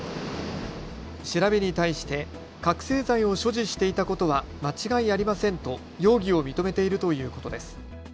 調べに対して覚醒剤を所持していたことは間違いありませんと容疑を認めているということです。